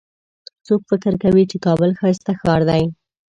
څوک فکر کوي چې کابل ښایسته ښار ده